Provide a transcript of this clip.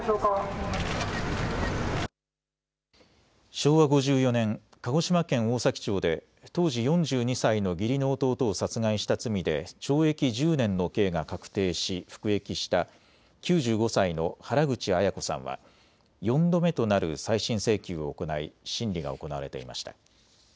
昭和５４年、鹿児島県大崎町で当時４２歳の義理の弟を殺害した罪で懲役１０年の刑が確定し服役した９５歳の原口アヤ子さんは４度目となる再審請求を行い審理が行われていました。